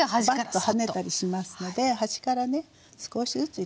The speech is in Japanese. バッと跳ねたりしますので端からね少しずつ入れていって下さい。